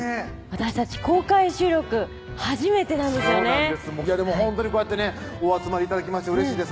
私たち公開収録初めてなんですよねでもほんとにこうやってねお集まり頂きましてうれしいです